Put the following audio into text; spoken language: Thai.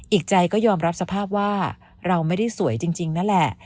อีกใจก็ยอมรับสภาพว่าเราไม่ได้สวยจริงนั่นแหละ